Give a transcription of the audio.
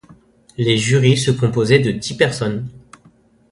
Les jurys se composaient de dix personnes.